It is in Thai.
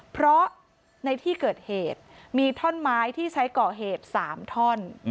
เพราะในที่เกิดเหตุมีท่อนไม้ที่ใช้ก่อเหตุ๓ท่อน